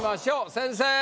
先生！